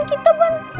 kok dihukum bang ube